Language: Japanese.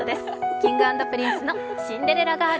Ｋｉｎｇ＆Ｐｒｉｎｃｅの「シンデレラガール」。